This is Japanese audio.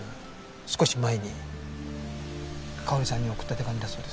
少し前に佳保里さんに送った手紙だそうです。